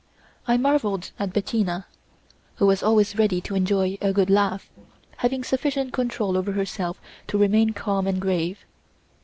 I marvelled at Bettina (who was always ready to enjoy a good laugh) having sufficient control over herself to remain calm and grave.